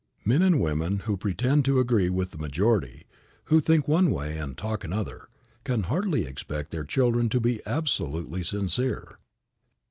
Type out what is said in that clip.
Men and women who pretend to agree with the majority, who think one way and talk another, can hardly expect their children to be absolutely sincere.